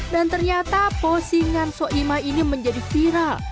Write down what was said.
dan ternyata posingan soeimah ini menjadi viral